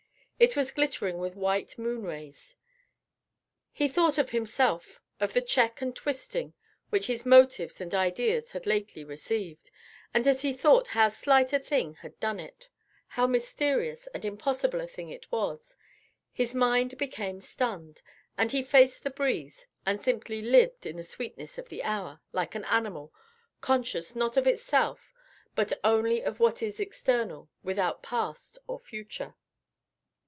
It was glittering with white moon rays. He thought of himself, of the check and twisting which his motives and ideas had lately received, and as he thought how slight a thing had done it, how mysterious and impossible a thing it was, his mind became stunned, and he faced the breeze, and simply lived in the sweetness of the hour, like an animal, conscious, not of itself, but only of what is external, without past or future.